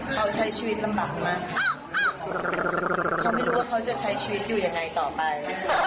เขาใช้ชีวิตลำบากมากค่ะเขาไม่รู้ว่าเขาจะใช้ชีวิตอยู่ยังไงต่อไป